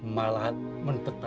malah mengetahukan kita